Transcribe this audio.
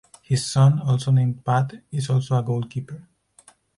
His son, also named Pat, is also a goalkeeper.